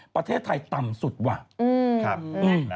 ประเทศไทยต่ำสุดว่ะ